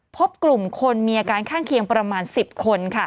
พบกลุ่มคนมีอาการข้างเคียงประมาณ๑๐คน